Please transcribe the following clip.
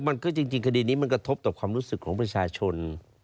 จริงคดีนี้มันกระทบต่อความรู้สึกของประชาชน